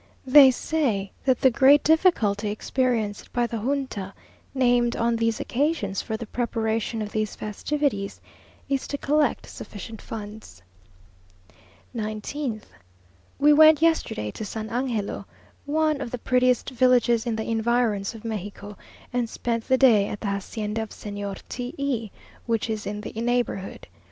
They say that the great difficulty experienced by the Junta, named on these occasions for the preparation of these festivities, is to collect sufficient funds. 19th. We went yesterday to San Angelo, one of the prettiest villages in the environs of Mexico, and spent the day at the hacienda of Señor T e, which is in the neighbourhood.